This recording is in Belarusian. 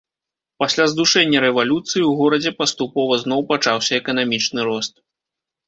Пасля здушэння рэвалюцыі ў горадзе паступова зноў пачаўся эканамічны рост.